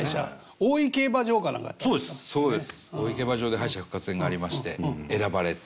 大井競馬場で敗者復活戦がありまして選ばれて。